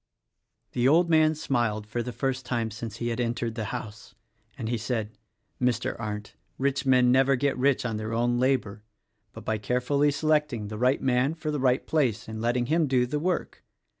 The old man smiled for the first time since he had entered the house, as he said, "Mr. Arndt, rich men never get rich on their own 'labor, but by carefully selecting the right man for the right place and letting him do the work.